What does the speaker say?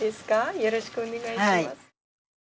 よろしくお願いします。